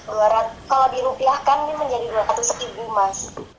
kalau dirupiahkan ini menjadi dua ratus ribu mas